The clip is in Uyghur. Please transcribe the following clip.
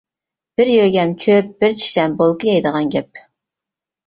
بىر يۆگەم چۆپ بىر چىشلەم بولكا يەيدىغان گەپ.